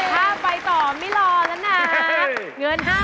ถ้าไปต่อไม่รอแล้วนะ